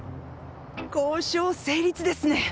交渉成立ですね。